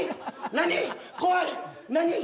何？